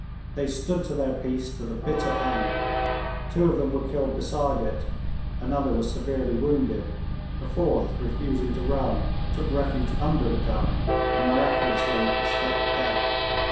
They stood to their piece to the bitter end. Two of them were killed beside it, another was severely wounded, a fourth, refusing to run, took refuge under the gun, and miraculously escaped death.